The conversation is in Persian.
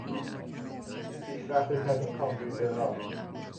پیشرفتهترین کامپیوترها